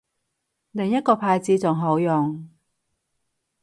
另一個牌子仲好用